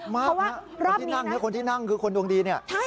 มากคนที่นั่งนี่คือคนดวงดี